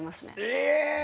え。